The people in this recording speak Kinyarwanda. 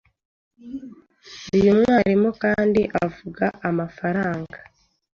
Uyu mwalimu kandi avuga amafaranga